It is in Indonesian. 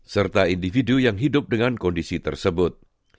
serta individu yang hidup dengan kondisi tersebut